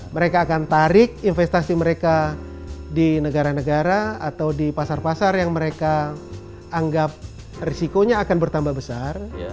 mereka akan tarik investasi mereka di negara negara atau di pasar pasar yang mereka anggap risikonya akan bertambah besar